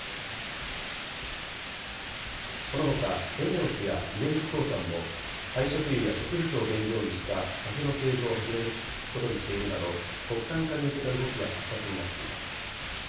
このほか、ＥＮＥＯＳや出光興産も、廃食油や植物を原料にしたＳＡＦの製造を始めることにしているなど、国産化に向けた動きが活発になっています。